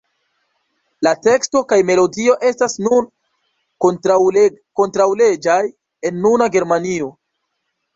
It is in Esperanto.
La teksto kaj melodio estas nun kontraŭleĝaj en nuna Germanio.